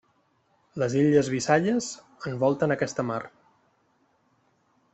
Les illes Visayas envolten aquesta mar.